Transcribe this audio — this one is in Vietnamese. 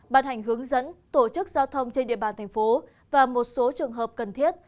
bàn hành hướng dẫn tổ chức giao thông trên địa bàn thành phố và một số trường hợp cần thiết